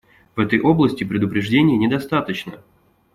В этой области предупреждения недостаточно.